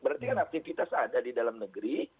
berarti kan aktivitas ada di dalam negeri